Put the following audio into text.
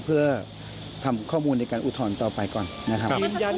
เพื่อทำข้อมูลในการอุทธรณ์ต่อไปก่อนนะครับ